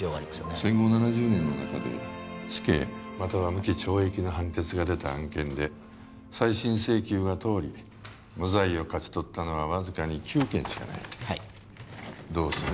戦後７０年の中で死刑または無期懲役の判決が出た案件で再審請求が通り無罪を勝ち取ったのはわずかに９件しかないはいどうする？